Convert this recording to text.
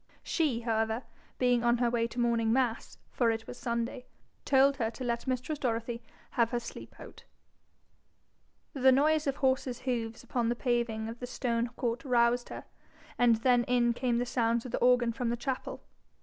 She, however, being on her way to morning mass, for it was Sunday, told her to let mistress Dorothy have her sleep out. The noise of horses' hoofs upon the paving of the stone court roused her, and then in came the sounds of the organ from the chapel.